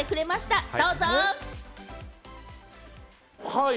はい。